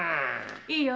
いいよ。